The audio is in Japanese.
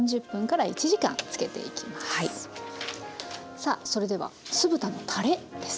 さあそれでは酢豚のたれです。